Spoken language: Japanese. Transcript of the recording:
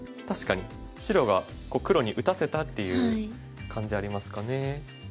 確かに白が黒に打たせたっていう感じありますかね。